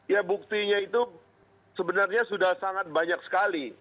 ya buktinya itu sebenarnya sudah sangat banyak sekali